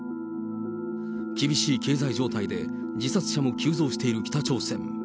厳しい経済状態で自殺者も急増している北朝鮮。